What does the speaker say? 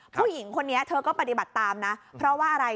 ผู้หญิงคนนี้เธอก็ปฏิบัติตามนะเพราะว่าอะไร